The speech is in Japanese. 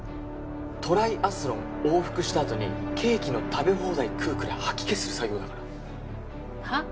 トライアスロン往復したあとにケーキの食べ放題食うくらい吐き気する作業だからはっ？